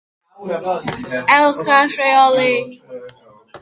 Ewch a rheoli!